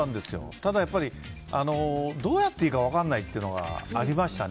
ただ、どうやっていいか分からないというのがありましたね。